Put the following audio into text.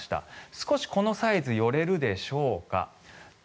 少しこのサイズ寄れるでしょうか。